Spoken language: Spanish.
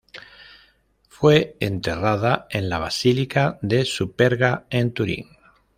Fue enterrada en la Basílica de Superga en Turín.